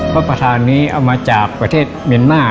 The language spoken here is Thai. พระประธานนี้เอามาจากประเทศเมียนมาร์